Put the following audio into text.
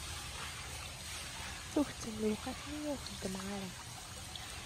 Tuget n lewqat mi ur xeddmeɣ ara.